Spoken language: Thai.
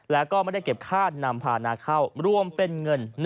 แล้วก็ไม่ได้เก็บค่านำพานาเข้ารวมเป็นเงิน